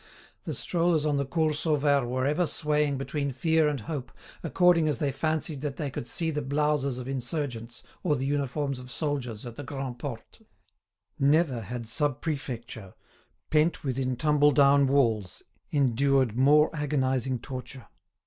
The strollers on the Cours Sauvaire were ever swaying between fear and hope according as they fancied that they could see the blouses of insurgents or the uniforms of soldiers at the Grand' Porte. Never had sub prefecture, pent within tumble down walls, endured more agonising torture.